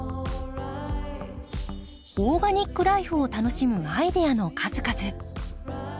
オーガニックライフを楽しむアイデアの数々。